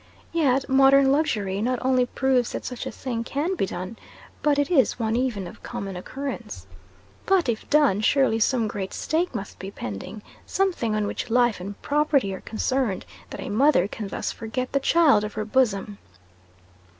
Yet modern luxury not only proves that such a thing can be done, but it is one even of common occurrence. But if done, surely some great stake must be pending something on which life and property are concerned that a mother can thus forget the child of her bosom?